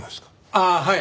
ああはい。